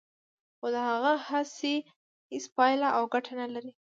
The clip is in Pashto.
خو د هغه هڅې هیڅ پایله او ګټه نه لري